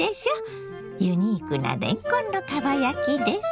ユニークなれんこんのかば焼きです。